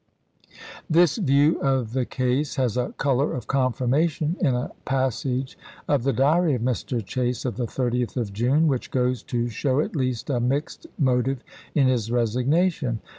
This view of the case has a color of confirmation 1864. in a passage of the diary of Mr. Chase of the 30th of June, which goes to show at least a mixed mo tive in his resignation.